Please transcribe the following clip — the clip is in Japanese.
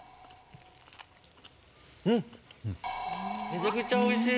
めちゃくちゃおいしい。